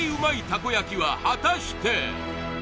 たこ焼は果たして？